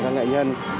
các nghệ nhân